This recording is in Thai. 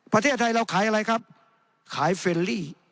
ประเทศไทยเราขายอะไรครับขายเฟรลี่